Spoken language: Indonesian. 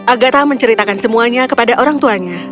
agatha menceritakan semuanya kepada orang tuanya